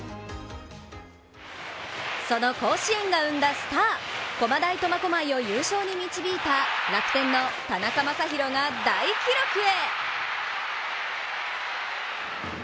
その甲子園が生んだスター駒大苫小牧を優勝に導いた楽天の田中将大が大記録へ！